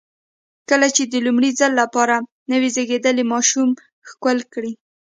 کله چې د لومړي ځل لپاره نوی زېږېدلی ماشوم ښکل کړئ.